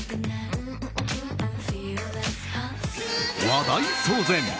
話題騒然！